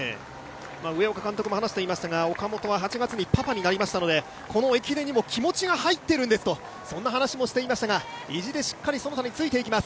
上岡監督も話していましたが、岡本は８月にパパになりましたのでこの駅伝にも気持ちが入っているんですという話もしていましたが、意地でしっかり其田についていきます。